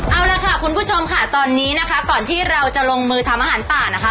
เอาละค่ะคุณผู้ชมค่ะตอนนี้นะคะก่อนที่เราจะลงมือทำอาหารป่านะคะ